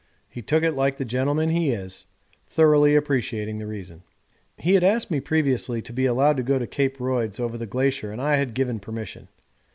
He took it like the gentleman he is, thoroughly appreciating the reason. He had asked me previously to be allowed to go to Cape Royds over the glacier and I had given permission.